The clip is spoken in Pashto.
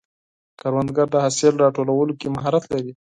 کروندګر د حاصل راټولولو کې مهارت لري